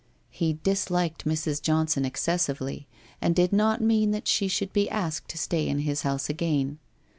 He disliked Mrs. Johnson excessively and did not mean that she should be asked to stay in his house again.